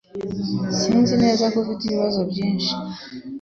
Nzi neza ko ufite ibibazo byinshi.